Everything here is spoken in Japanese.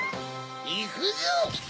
いくぞっ！